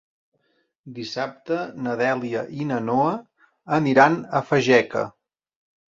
Dissabte na Dèlia i na Noa aniran a Fageca.